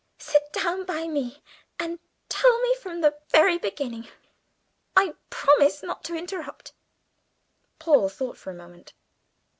Sit down by me and tell me from the very beginning. I promise not to interrupt." Paul thought for a moment.